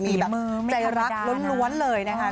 มีแบบใจรักล้วนเลยนะคะ